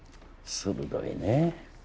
鋭いね。